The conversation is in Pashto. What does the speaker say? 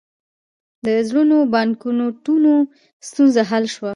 د زړو بانکنوټونو ستونزه حل شوه؟